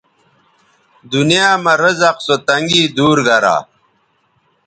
دنیاں مہ رزق سو تنگی دور گرا